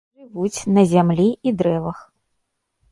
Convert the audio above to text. Жывуць на зямлі і дрэвах.